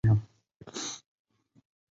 دولت وویل تر علم زه مشهور یم